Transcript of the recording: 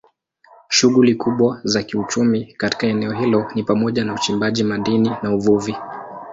Shughuli kubwa za kiuchumi katika eneo hilo ni pamoja na uchimbaji madini na uvuvi.